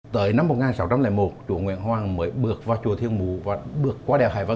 tới năm một nghìn sáu trăm linh một chúa nguyễn hoàng mới bước vào chùa thiên mù và bước qua đèo hải vân